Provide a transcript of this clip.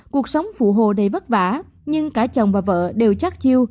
cuộc sống phụ hồ đầy vất vả nhưng cả chồng và vợ đều chắc chiêu